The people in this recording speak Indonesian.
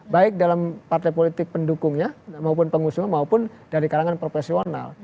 baik dalam partai politik pendukungnya maupun pengusung maupun dari kalangan profesional